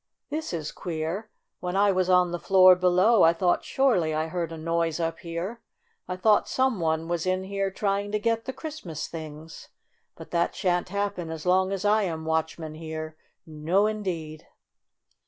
5 ' "This is queer! When I was on the floor below I thought surely I heard a noise up here ! I thought some one was in here trying to get the Christmas things. But that shan't happen as long as I am watch man here ! No, indeed